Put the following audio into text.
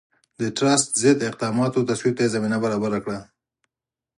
د ټراست ضد اقداماتو تصویب ته یې زمینه برابره کړه.